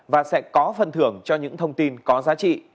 và sẽ có phần thưởng cho những thông tin có giá trị